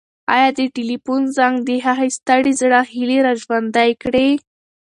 ایا د تلیفون زنګ د هغه د ستړي زړه هیلې راژوندۍ کړې؟